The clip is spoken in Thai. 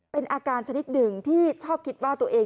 เป็นอาการชนิดหนึ่งที่ชอบคิดว่าตัวเอง